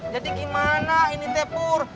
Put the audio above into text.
jadi gimana ini teh pur